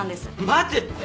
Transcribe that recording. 待てって！